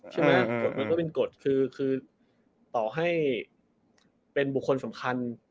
ใช่ไหมกฎมันก็เป็นกฎคือต่อให้เป็นบุคคลสำคัญ